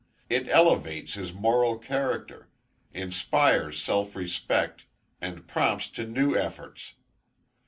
It elevates his moral character, inspires self respect, and prompts to new efforts.